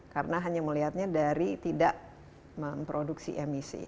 karena hanya melihatnya dari tidak memproduksi emisi